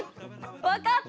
分かった。